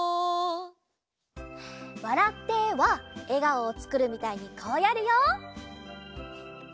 「わらって」はえがおをつくるみたいにこうやるよ。